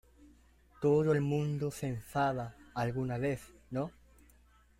todo el mundo se enfada alguna vez, ¿ no?